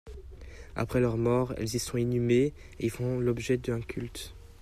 Après leur mort, elles y sont inhumées et y font l'objet d'un culte.